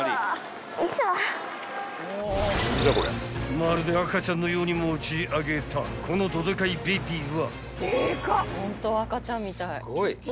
［まるで赤ちゃんのように持ち上げたこのどでかいベイビーは］